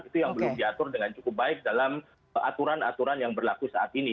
itu yang belum diatur dengan cukup baik dalam aturan aturan yang berlaku saat ini